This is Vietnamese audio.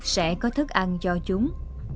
sẽ có thức ăn cho chúng